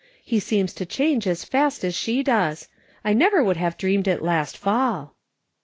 He seems to change as fast as she does. I never would have dreamed it last fall."